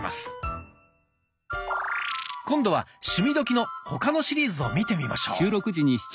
今度は「趣味どきっ！」の他のシリーズを見てみましょう。